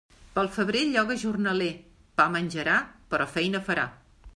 Pel febrer lloga jornaler; pa menjarà, però feina farà.